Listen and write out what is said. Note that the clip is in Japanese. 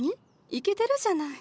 イケてるじゃない。